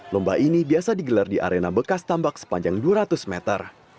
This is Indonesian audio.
lomba ini biasa digelar di arena bekas tambak sepanjang dua ratus meter